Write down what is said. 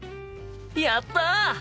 やった！